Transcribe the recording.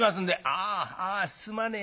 「ああすまねえな。